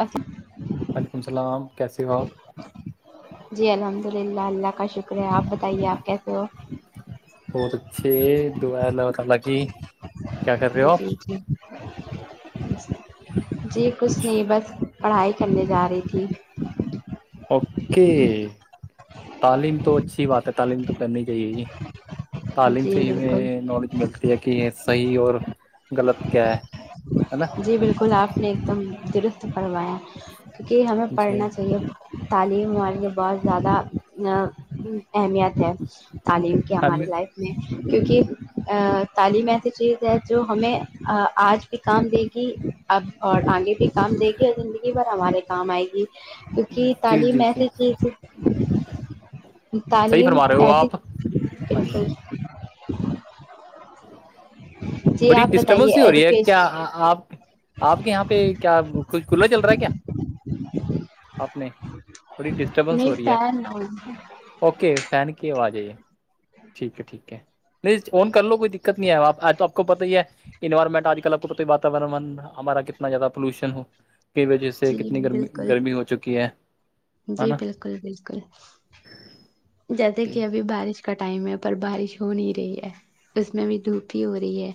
ا [inaudible] وعلیکم السلام کیسے ہو آپ جی الحمد للہ اللہ کا شکرہ آپ بتائیے آپ کیسے ہو بہت اچھے دو ن پت الگی جچی جچا جی کچھ نہیں بس پڑھائی کرنے جا رہی تھی اوکے تعلیم تو اچھی بات ہے تعلیم تو کرنی چاہیے جی تعلیم سے جی ہی بالکل میں نالج ملک ہے کہ یہ صحیح اور غلط کیا ہے اچا جی بالکل آپ نے ایک دم درست پڑھوایا کیونکہ ہمیں جی پڑھنا چاہیے تعلیم والےے بہت زیادہ اہمیت تعلیم کی ہم ہماری لائف کیونکہ تعلیم ایسی چیز ہے جو ہمیں آج بھی کام دے گی اب اور آگے بھی کام دے گی اور زندگی بھر ہمارے کام آئے گی کیونکہ جی تعلیم جی جی ایسے کی تھی صحیح تعلیم فرما رہے ہو ای آپ ہاں جی بالکل جی بڑی آپ بتائیے ڈسٹربنس ہو رہی ہے ایجوکیش کیا آپ آپ کے یہاں پہ کیا ک کلا چل رہا ہے کیا اپنے بڑی ڈسٹربنس نہیں ہو رہی ہے فین ہو اوکے فین کی آج جائیے [inaudible] ٹھیک ہے ٹھیک ہے نہیں آون کر لو کوئی دقت نہیں ہے آپ آج تو آپ کو پتہ ہی ہے انوائرمنٹ آج کل آپ کو پت واورن ہمارا کتنا زیادہ پولوشن ہو کی وجہ سے جی کتنی گرمی بالکل گرمی ہو چکی ہے ہے جی نا بالکل بالکل جیسے جی کہ ابھی بارش کا ٹائم ہے پر بارش ہو نہیں رہی ہے اس میں بھی دھوپی ہو رہی ہے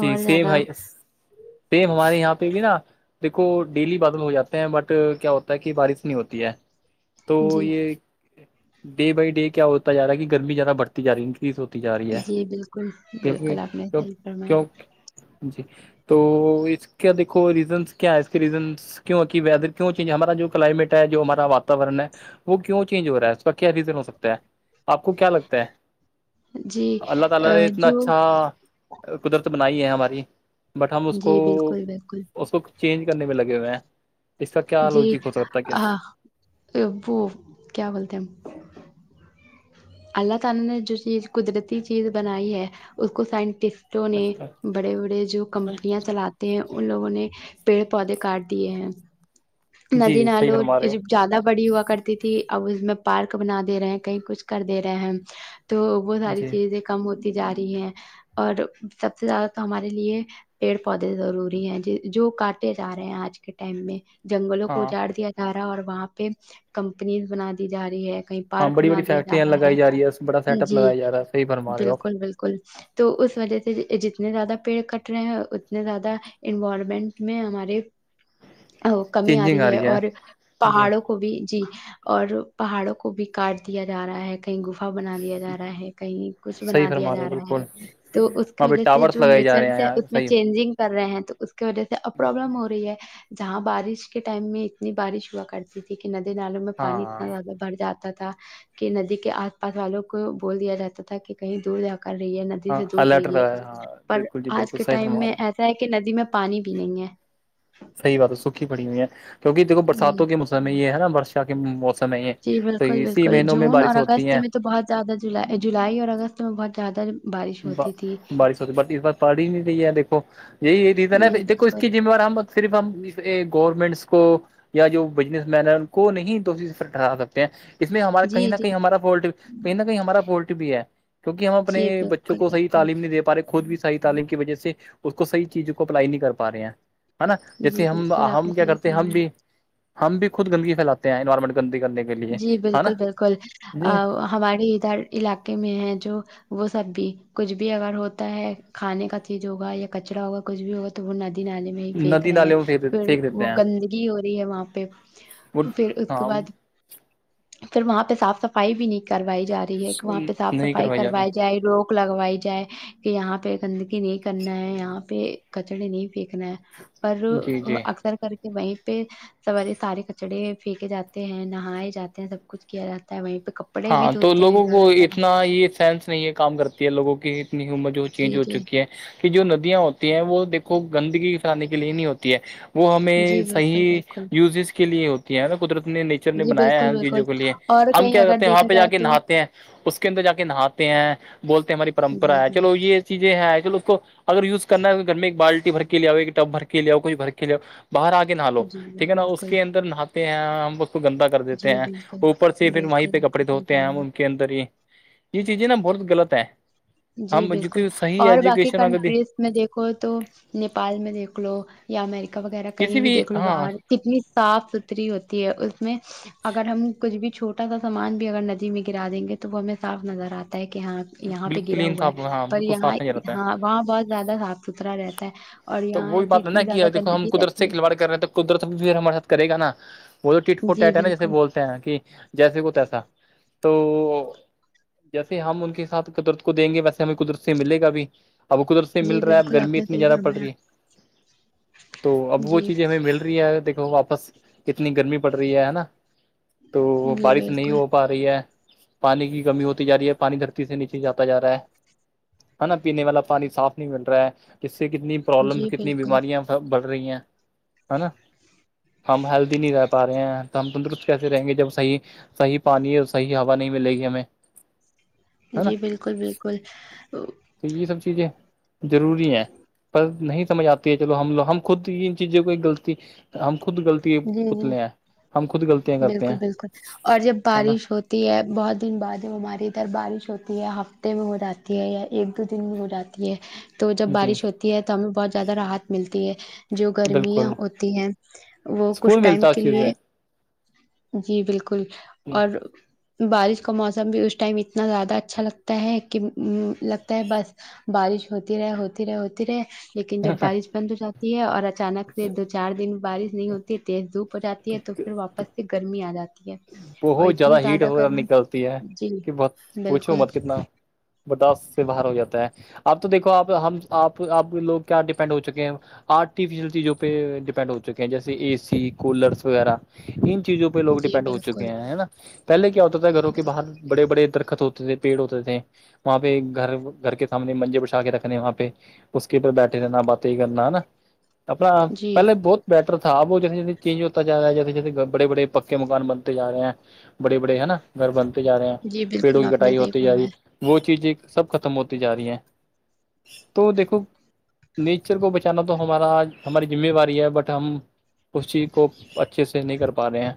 جی اور سیم زیادہ ہے سیم ہمارے یہاں پہ بھی نا دیکھو ڈیلی بادل ہو جاتے ہیں بٹ کیا ہوتا ہے کہ بارش نہیں ہوتی ہے تو جی یہ ڈے بائی ڈے کیا ہوتا جا رہا ہے کہ گرمی زیادہ بڑھتی جا رہی ہے چیز ہوتی جا رہی ہے جی بالکل بالکل آپ نے کیکہ صحیح فرمایا جی تو اس کا دیکھو ریزنس کیا ہے اس کے ریزنس کیوں کہ ویدر کیوں ہمارا جو کلائمیٹ ہے جو ہمارا واورن ہے وہ کیوں چینج ہو رہا ہے اس کا کیا ریزن ہو سکتا ہے آپ کو کیا لگتا ہے جی اللہ تعالی نے اتنا جو اچھا قدرت بنائی ہے ہماری بٹ ہم اس کو جی بالکل بالکل اس کو چینج کرنے میں لگے ہوئے ہیں اس کا کیا ال جی لوجک ہو سکتا ہےس وہ کیا وولتےم اللہ تعالی نے جو چیز قدرتی چیز بنائی ہے اس کو سائنٹسٹ نے اچھا بڑے بڑے جو کمپنیاں چلات ہیں ان لوگوں نے پیڑ پودے کاٹ دیے ہیں جی ندی صحیح نالو فرما رہے ہو زیادہ بڑی ہوا کرتی تھی اب اس میں پارک بنا دے رہے ہیں کہیں کچھ کر دے رہے ہیں تو وہ ساری جی چیزیں کم ہوتی جا رہی ہیں اور سب سے زیادہ تو ہمارے لیے پیڑ پودے ضروری ہیں ج جو کاٹتے جا رہے ہیں آج کے ٹم میں جنگلوں کو ہاں اجاڑ دیا جا رہا ہے اور وہاں پہ کمپنیز بنا دی جا رہی ہے کہیں ہاں پارک بڑی بنا بڑی دیا جا فیکٹریاں رہا لگائی جا رہی بڑا ہے سیٹ اپ جی لگایا جا رہا ہے صحیح فرما رہے ہو بالکل آپ بالکل تو اس وجہ سے جتنے زیادہ پیڑ کٹ رہے ہیں اتنے زیادہ انوائرمنٹ میں ہمارے کمی آ رہی ہے اور جی پہاڑوں کو کو بھی جی اور پہاڑوں کو بھی کاٹ دیا جا رہا ہے کہیں گفا بنا دیا جا رہا ہے کہیں کچھ صحیح بنا دیا فرما رہے ہو جا رہا بالکل ہے تو اس کی وہاں پہ وجہ سے ٹاورس جو لگائے جا رہے ہیں نیچرس ہے یار اس میں صحیح چینجنگ کر رہے ہیں تو اس کی وجہ سے اب پروابلم ہو رہی ہے جہاں بارش کے ٹائم میں اتنی بارش ہوا کرتی تھی کہ ندی نالوں میں پانی ہاں اتنا زیادہ بڑھ جاتا تھا کہ ندی کے آس پاس والوں کو بول دیا جاتا تھا کہ کہیں دور ج کر رہی ہے ندی ہاں سے دور الرٹ رہی ہے لگایا، ہاں پر بالکل جی آج بالکل کے صحیح ٹائم فرما میں رہے ہو ایسا ہے کہ ندی میں پانی بھی نہیں ہے صحی بات ہے سوکھی پڑی ہوئی ہے کیونک دیکھ جی برساتوں کے موسم میں یہ ہے نا برشا کے موسم س ہے جی تو بالکل اسی بالکل مہینوں میں جون اور بارش ہوتی اگست ہے میں تو بہت زیادہ جولائی جلائی اور اگست میں بہت زیادہ بارش ہوتی تھی بارش ہوتی ب اس بار پڑ ہی نہیں رہی ہے دیکو یہی ریزن ہے جی دیکو اس بالکل کی مہوار ہم صرف ہم گورمنٹس کو یا جو بزنس مین ہے ان کو نہیں تو ٹہرا سکتے ہیں اس میں ہمارا کہیں جی نہ جی کہیں ہمارا فالٹ کہیں نہ کہیں ہمارا فالٹ بھی ہے کیونکہ ہم جی اپنے بے بچوں بالکل کو صحیح بالکل تعلیم نہیں دے پہ رہے خود بھی صحیح تعلیم کی بجا وجہ سے اس کو صحیح چیزوں کو اپلائی نہیں کر پا رہے ہیں ہے نا جی جیسے ہم بالکل آپ نے ہم کیا صحیح کرتے ہیں ہم فرمایا بھی ہم بھی خود گندگی پھیلاتے ہیں انوائرمینٹ گندگ کرنے کی جی بالکل بالکل ا ہمارے ادھر علاقے میں ہے جو وہ سب بھی کچھ بھی اگر ہوتا ہے کھانے کا چیز ہوگا یا کچرا ہوگا کچھ بھی ہوگا تو وہ ندی نالے میں پھینک ندی رہے ہیں نالے میں پھر پھینک دیتے وہ ہیں گندگی ہو رہی ہے وہاں پہ وہ پھر اس کے ہاں بعد پھر وہاں پہ صاف صفائی بھی نہیں کرائی جا رہی ہے کہ وہاں پہ صاف نہیں صفائی جا کروائی رہی جائے لوگ لگوائی جائے کہ یہاں پہ گندگی نہیں کرنا ہے یہاں پہ کچڑے نہیں پھینکنا ہے پر جی جی اکثر کر کے وہیں پہ سوارے سارے کچڑے پھینکے جاتے ہیں نہ نہائے جاتے ہیں سب کچھ کیا جاتا ہے وہیں پہ کپ ہاں تو لوگوں کو اتنا یہ سینس نہیں ہے کام کرتی ہے لوگوں کی اتنی امر جو جی چیزیں ہو جی چوکی ہے کہ جو ندیاں ہوتی ہیں وہ دیکھو گندگی اٹھانے کے لیے نہیں ہوتی ہے وہ ہمیں جی بالکل صحیح بالکل یوزیز کے لیے ہوتی ہے نا قدرت نے نہیں نیچر نے جی بنایا ہے بالکل ان بالکل چیزوں کے لیے اور ہم کہیں کیا اگر ہیں وہاں دیکھا پہ جا جائے کے تو نہاتے ہیں اس کے اندر جا کے نہاتے ہیں بولتے ہیں ہماری پرمپرا جی ہے جی چلو یہ چیزیں ہے چلو اس کو اگر یوز کرنا ہے گھر میں ایک بالٹی بھر کے لے آؤ ایک ٹب بھر کے لے آؤ کچھ بھر کے لے اؤ باہر آ کے نہا لو جی ٹھیک ہے نا اس بالکل کے اندر نہاتے ہیں ہم اس کو گندا کر دیتے جی ہیں بالکل اوپر سے پھر وہیں بالکل پہ آپ کپڑے کا صحیح دھوتے ہیں فرما ان کے اندر ہی یہ چیزیں نا بہت غلط ہے جی ہم جوک بالکل صحیح اور باقی ایجوکیشن اگر دیکھیں کنٹریز میں دیکھو تو نیپال میں دیکھ لو یا امیریکا وغیرہ کہیں کسی بھی دیکھ لو ہاں باہر کتنی صاف ستھری ہوتی ہے اس میں اگر ہم کچھ بھی چھوٹ اتتا سا سامان بھی اگر ندی میں گرا دیں گے تو وہ ہمیں صاف نظر آتا ہے کہ حا یہاں بالکل ہی کیا ہوا ہے انصاف ہاں پر بالکل یہاں صاف نہیں رہتا ہے وہاں بہت زیادہ صاف ستھرا رہتا ہے اور تو یہاں وہی بات ہے نا اتنی کہ زیادہ دیکھو ہم گندگی قدرت سے رہتی کھل باڑ کر رہے تو قدرت بھی ہمارے ساتھ کرے گا نا وہ تو ٹٹ فوٹ جی ڈیٹ ہے نا جیسے بالکل بول ہیں کہ جیسے کو تیسا تو جیسے ہم ان کے ساتھ قدرت کو دیں گے ویسے ہمیں قدرت سے ملے گا بھی اب بو قدرت سے جی ملا رہا ہے اب بالکل آپ گرمی نے اتنی صحیح زیادہ پڑ فرمایا رہی ہے تو اب وہ جی چیزیں ہمیں مل رہی ہے دیکھو واپس کتنی گرمی پڑ رہی ہے ہے نا تو جی بارش نہیں بالکل ہو پا رہی ہے پانی کی کمی ہوتی جا رہی ہے پانی دھرتی سے نیچے جاتا جا رہا ہے ہے نا پینے والا پانی صاف نہیں مل رہا ہے اس سے کتنی پرابلم جی کتنی بالکل بیماریاں سب بڑھ رہی ہیں ہے نا ہم ہیلدی نہیں رہ پا رہے ہیں تو ہم تندرست کیسے رہیں گے جب صحیح صحیح پانی اور صحیح ہوا نہیں ملے گی ہمیں ہے نا جی بالکل بالکل تو یہ سب چیزیں ضروری ہیں بس نہیں سمجھ آتی ہے چلو ہم لو ہم خود ان چیزوں کو غلطی ہم خود غلط جی جی کرتے ہیں بالکل بالکل اور جب ہے نا بارش ہو ہوتی ہے بہت دن بعد ہماری ادھر بارش ہوتی ہے ہفتے میں ہو جاتی ہے یا ایک دو دن میں ہو جاتی یہ تو جب جی بارش ہوتی ہے تب ہمیں بہت زیادہ راحت ملتی ہے جو گرمیاں بالکل ہوتی ہیں وہ کچھ سکون ٹائم ملتا ہے کے اس لیے چیز جی بالکل اور بارش کا موسم بھی اس ٹائم اتنا زیادہ اچھا لگتا ہے کہ لگتا ہے بس بارش ہوتی رہے ہوتی رہے ہوتی رہے لیکن جب سے بارش بند ہو جاتی ہے اور اچانک سے چار دن بارش نہیں ہوتی تیز دھوپ ہو جاتی ہے تو پھر واپس سے گرمی آ جاتی ہے اور بہت اتنی زیادہ ہیٹ وغیرہ گرمی نکلتی ہے جی کہ بس پوچھو بالکل مت کتنا برداشت سے باہر ہو جاتا ہے اب تو دیکھو آپ ہم آپ آپ لوگ کیا ڈیپینڈ ہو چکے ہیں ارٹیفیشل چیزوں پہ ڈیپینڈ ہو چکے ہیں جیسے اے سی کولرس وغیرہ ان چیزوں پہ لوگ جی ڈپینڈ ہو بالکل چکے ہے نا پہلے کیا ہوتا تھا گھروں کے بل- باہر بڑے بڑے درخت ہوتے تھے پیڑ ہوتے تھے وہاں پہ گھر گھر کے سامنے منجے بھا کے رکھنے وہاں پہ [unintelligible] اس کے پ بیٹھے رہنا باتیں ہی کرنا ہے نا اپنا جی پلے بہت بیٹر تھا وہ جیسے جیسے چینج ہوتا جا رہا ہے جیے جیسے بڑے بڑے پکے مکان بن تے جا رہے ہیں بڑے بڑے ہے نا گھر بنتے جا رہے ہیں جی پیڑوں بالکل کی آپ نے کٹائی صحیح ہوتی جا رہی فرمایا [unintelligible] وہ چیزیں سب ختم ہوتی جا رہی ہیں تو دیکھو نیچر کو بچانا تو ہمارا ہماری ذمہواری ہے بٹ ہم اس چیز کو اچھے سے نہیں کر پا رہے ہیں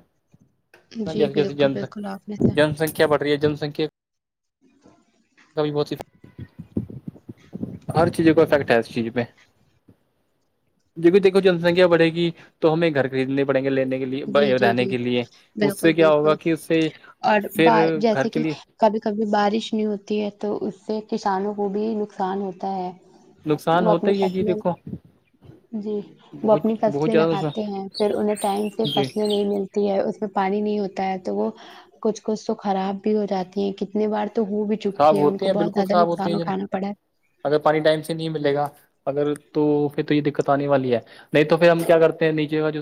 نا جی جیسے جیسے بالکل جن بالکل آپ نے صحیح جن سنکھیا بڑھ رہی ہے جن سنکھیا [inaudible] کا بھی بہ ہر چیز کو افیکٹ ہے اس چیز پہ جہ دیکو جن سنکھیا بڑے گی تو ہمیں گھر خریدنے پڑیں گے لینے جی لیے جی رہنے جی کے لیے اس بالکل سے کیا ہوگا بالکل کہ اس سے اور با پھر گھر جیسے کے کہ لیے کبھی کبھی بارش نہیں ہوتی ہے تو اس سے کسانوں کو بھی نقصان ہوتا ہے نقصان وہ ہوتا اپنی ہی ہے جی فصلیں دیکھو جی وہ بہت اپنی بہت فصلیں زیادہ نقصان لگاتے ہیں پھر انہیں ٹائم سے جی فصلیں نہیں ملتی ہے اس میں پانی نہیں ہوتا ہے تو وہ کچھ کچھ تو خراب بھی ہو جاتی ہے کتنی بار تو ہو بھی چکی خراب ہے ان ہوتے کو ہیں بہت بالکل زیادہ خراب ہوتے نقصان ہیں جناب اٹھانا پڑا ہے اگر پانی ٹائم سے نہیں ملے گا اگر تو پھر تو یہ دقت آنے والی ہے نہیں تو پھر ہم کیا کرتے ہیں نیچے کا جو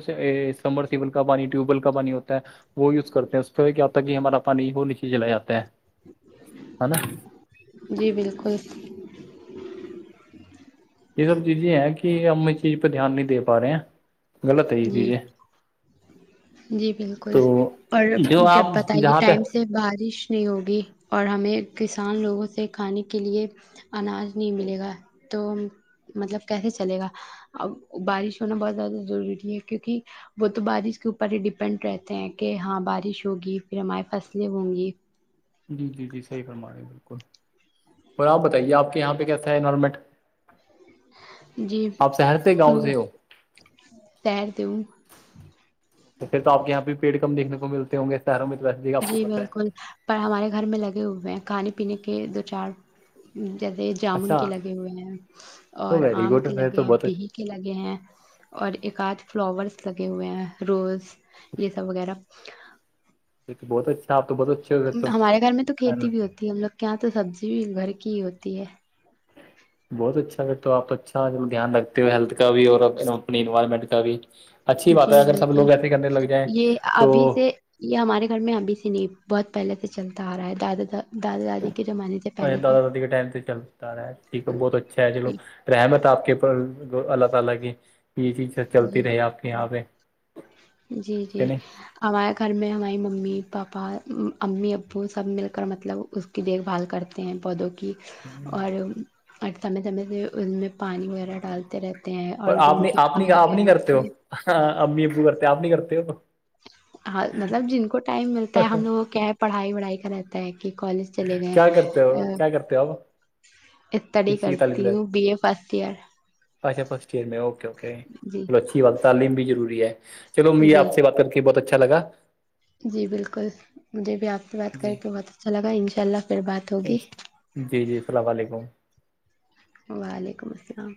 کمر سیل کا پانی ٹیوب ویل کا پانی ہوتا ہے وہ یوز کرتے ہیں اس پہ کیا ہوتا ہے کہ ہمارا پانی وہ نیچے جلا جاتا ہے ہے نا جی بالکل یہ سب چیزیں ہیں کہ ہم اس چیز پہ دھیان نہیں دے پا رہے ہیں غلط ہے یہ جی چیزیں جی بالکل تو اور جو جب آپ بتائیے جہاں پہ ٹائمس سے بارش نہیں ہوگی اور ہمیں کسان لوگوں سے کھانے کے لیے اناج نہیں ملے گا تو مطلب کیسے چلے گا اب بارش ہونا بہت زیادہ ضروری ہے کیونکہ وہ تو بارش کے اوپر ہی ڈیپینڈ رہتے ہیں کہ ہاں بارش ہوگی پھر ہماری فصلیں ہوں گی جی جی جی صحیح فرمانے ہے بالکل اور آپ بتائیے آپ کے یہاں پہ کیس ہے نارمٹ جی شہر سے ہ گاؤں سے ہو تیرتے تو پھر تو آپ یہ پ بھی پیڑ کم دیکنے کو ملتے ہ گے شہروں میں تو ویسےیک آپ کو جی پت ہے بالکل ہمارے گھر میں لگے ہوئے ہیں کھانے پینے کے دو چار جدہ جامن اچھا کے لگے ہوئے ہیں تو اور ویری آم کے گڈ پھر لگے تو ہیں بہت پیہی اچھا کے لگے ہیں اور ایک آدھ فلاورس لگے ہوئے ہیں روز یہ سب وغیرہ یہ تو بہت اچھا آپ بہت اچھا ہمارے گھر میں تو کھیتی بھی ہوتی ہے ہم لوگ کے یہاں تو سبزی بھی گھر کی ہی ہوتی ہے بہت اچھا اگر تو آپ اچھا دھیان رکھتے ہو ہیلتھ کا بھی اور اپنی انوائرمنٹ کا بھی اچھی بات ہے جی اگر سب بالکل لوگ ایسے کرنے لگ جائیں یہ تو ابھی سے یہ ہمارے گھر میں ابھی سے نہیں بہت پہلے سے چلتا آ رہا ہے دادا دادا دادی کے زمانے سے ا پہلے سے دادا داد کے ٹائم سے چل ٹھیک ہے بہت اچھا ہے چلو جی رحمت اپ کے اوپر اللہ تعالی کی چلتی جی رہی آپ کے یہاں پہ جی جی کہ نہیں ہمارے گھر میں ہماری ممی پاپا امی ابو سب مل کر مطلب اس کی دیکھ بھال کرتے ہیں پودوں کی اور اور سمے دمے سے ان میں پانی وغیرہ ڈالتے رہتے ہیں اور جو ان کی کھاد وغیرہ ہوتی ہے ہاں امی ابو کرتے آپ نہیں کرتے ا ہاں مطلب جن کو ٹائم ملتا ہے ہم لوگوں کیا ہے پڑھائی وڑھائی کر رہ کہ کالج چلے کیا کرتے ہو گئے کیا کرتے ہو آپ اسٹڈی کس کی تعلیم کرتی لے؟ ہوں بی اے فسٹ ایئر اچھا فسٹ ایئر میں اوکے اوکے جی بوچ ب تعلیم بھی ضروری ہے چلو مجھ یہ جی آپ سے بات کر کے بہت اچھا لگا جی بالکل مجھے بھی آپ سے بات کر جی کے بہت اچھا لگا ان شاء اللہ پھر بات ہوگی جی جی السلام علیکم وعلیکم السلام